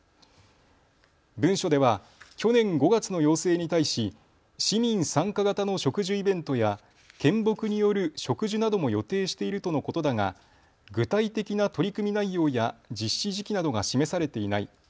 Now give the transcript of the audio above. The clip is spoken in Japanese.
文書では去年５月の要請に対し市民参加型の植樹イベントや献木による植樹なども予定しているとのことだが具体的な取り組み内容や実施時期などが示されていない。